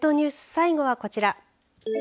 最後はこちら。